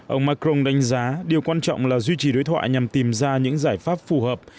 ông macron đánh giá điều quan trọng là duy trì đối thoại nhằm tìm ra những giải pháp phù hợp